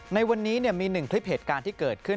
ในวันนี้มีหนึ่งคลิปเหตุการณ์ที่เกิดขึ้น